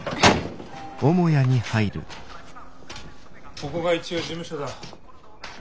ここが一応事務所だ。